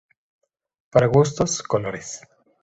Para gustos, colores